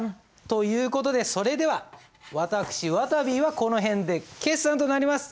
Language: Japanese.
という事でそれでは私わたびはこの辺で決算となります。